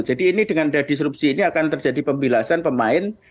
jadi ini dengan ada disrupsi ini akan terjadi pembilasan pemain